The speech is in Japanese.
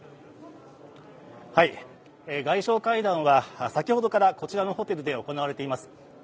外相会談は、先ほどからこちらのホテルで行われています。